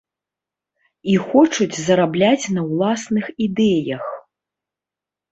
І хочуць зарабляць на ўласных ідэях.